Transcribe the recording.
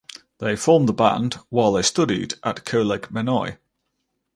They formed the band while they studied at Coleg Menai.